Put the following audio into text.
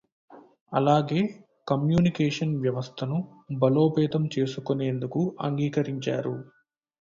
అలాగే కమ్యూనికేషన్ వ్యవస్థను బలోపేతం చేసుకొనేందుకు అంగీకరించారు.